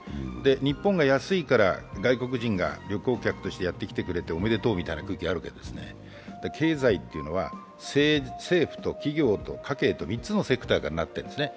日本が安いから外国人が旅行客としてやってきてくれておめでとうみたいな空気があるわけですけど、経済というのは政府と企業と家計の３つのセクターからなっているんですね